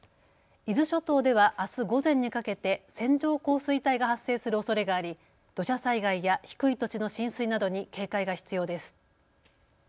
伊豆諸島ではあす午前にかけて線状降水帯が発生するおそれがあり土砂災害や低い土地の浸水などに警戒が必要です。